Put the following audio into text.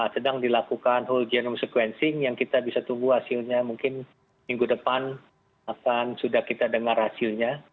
sedang dilakukan whole genome sequencing yang kita bisa tunggu hasilnya mungkin minggu depan akan sudah kita dengar hasilnya